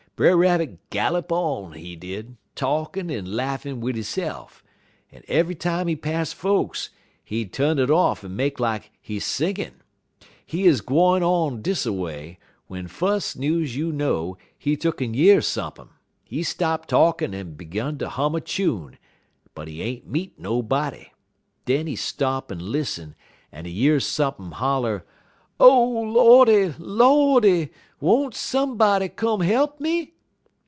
"Brer Rabbit gallop on, he did, talkin' en laughin' wid hisse'f, en eve'y time he pass folks, he'd tu'n it off en make lak he singin'. He 'uz gwine on dis a way, w'en fus' news you know he tuck'n year sump'n'. He stop talkin' en 'gun ter hum a chune, but he ain't meet nobody. Den he stop en lissen en he year sump'n' holler: "'O Lordy! Lordy! Won't somebody come he'p me?'"